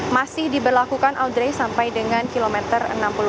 masih diberlakukan our sampai dengan kilometer enam puluh empat